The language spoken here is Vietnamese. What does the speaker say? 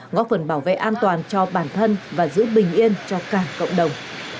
ngó phần bảo vệ an toàn cho bản thân và giữ bình yên cho cả cộng đồng